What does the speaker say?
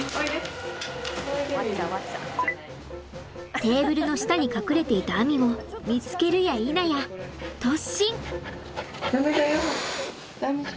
テーブルの下に隠れていたあみを見つけるやいなや突進！